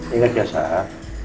ingat ya saat